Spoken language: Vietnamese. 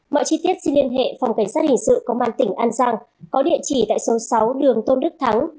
mọi chi tiết xin liên hệ phòng cảnh sát hình sự công an tỉnh an giang có địa chỉ tại số sáu đường tôn đức thắng